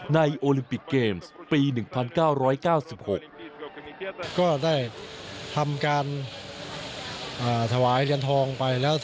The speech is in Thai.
ในอลิมปิกเกมส์ปี๑๙๙๖